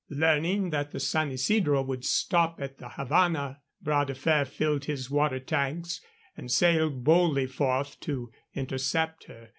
Learning that the San Isidro would stop at the Havana, Bras de Fer filled his water tanks and sailed boldly forth to intercept her.